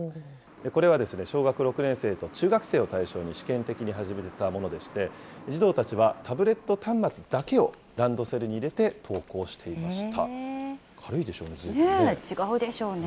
これは小学６年生と中学生を対象に試験的に始めたものでして、児童たちはタブレット端末だけをランドセルに入れて登校していました。